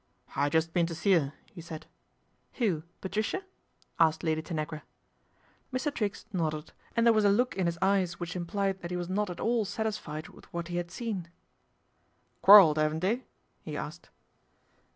" I just been to see *er," he said. ' Who, Patricia ?'" asked Lady Tanagra. Mr. Triggs nodded, and there was a look in his eyes which implied that he was not at all satisfied with what he had seen. " Quarrelled, 'aven't they ?" he asked.